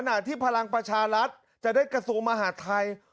หลังที่พลังประชารัฐจะได้กระสูงมหาทัย